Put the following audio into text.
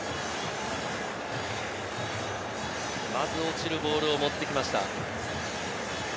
まず落ちるボールを持ってきました。